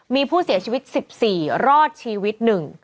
มีผู้เสียชีวิต๑๔รอดชีวิต๑